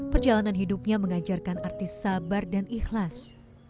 perjalanan hidupnya mengajarkan arti sabar dan ikhlas